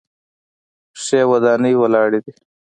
ښې ودانۍ ولاړې دي.